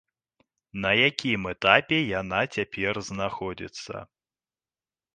На якім этапе яна цяпер знаходзіцца?